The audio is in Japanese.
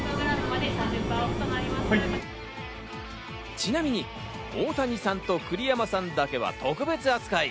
ちなみに大谷さんと栗山さんだけは特別扱い。